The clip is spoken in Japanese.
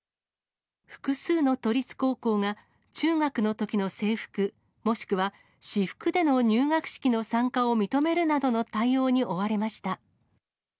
複数の都立高校が中学のときの制服、もしくは私服での入学式の参加を認めるなどの対応に追われました。